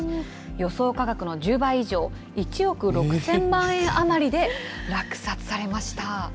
予想価格の１０倍以上、１億６０００万円余りで落札されました。